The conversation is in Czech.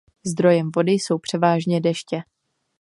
Zdrojem vody jsou převážně deště.